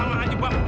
aduh teteh ampun